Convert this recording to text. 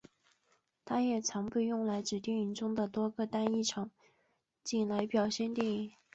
它也常被用来指电影中的多个单一场景来表现电影。